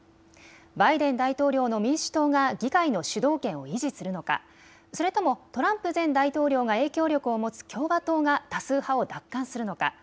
バイデン大統領の民主党が議会の主導権を維持するのかそれともトランプ前大統領が影響力を持つ共和党が多数派を奪還するのか。